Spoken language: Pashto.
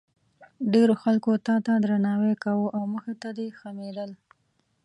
ډېرو خلکو تا ته درناوی کاوه او مخې ته دې خمېدل.